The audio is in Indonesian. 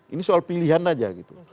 ini soal pilihan aja gitu